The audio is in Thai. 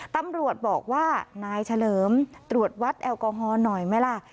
ตำรวจบอกว่านายเฉลิมตรวจวัดแอลกอฮอลหน่อยไหมล่ะ